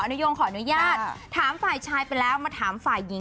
ก็ถึงได้ถามเขาก่อนนี่ว่าเอาเท่าไหน